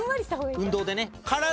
運動でね。